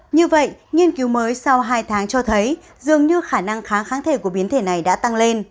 như vậy nghiên cứu mới sau hai tháng cho thấy dường như khả năng kháng thể của biến thể này đã tăng lên